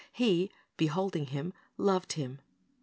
He "beholding him loved him."